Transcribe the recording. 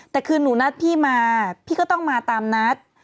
แต่คือหนูนัดพี่มาพี่ก็ต้องมาตามนัด